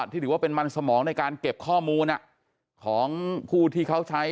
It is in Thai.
ที่ถือว่าเป็นมันสมองในการเก็บข้อมูลของผู้ที่เขาใช้